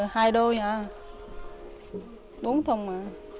hai đôi nhỉ bốn thùng mà